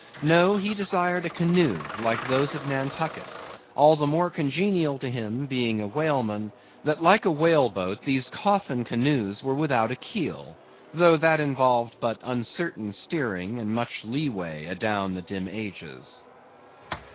No: he desired a canoe like those of Nantucket, all the more congenial to him, being a whaleman, that like a whale boat these coffin canoes were without a keel; though that involved but uncertain steering, and much lee way adown the dim ages.